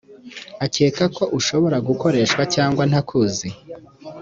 akeka ko ushobora gukoreshwa cyangwa ntakuzi?